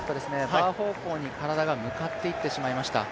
バー方向に体が向かっていってしまいました。